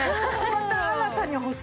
また新たに欲しい！